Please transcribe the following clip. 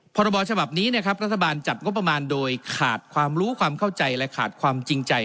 พรบฉบับนี้นะครับรัฐบาลจัดงบประมาณโดยขาดความรู้ความเข้าใจและขาดความจริงใจ